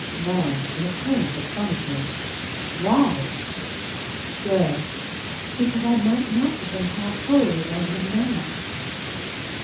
MAN. (In apparent astonishment.) "Why?" GIRL. "Because I might not have been heart whole, as I am now."